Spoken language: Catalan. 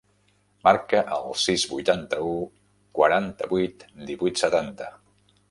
Marca el sis, vuitanta-u, quaranta-vuit, divuit, setanta.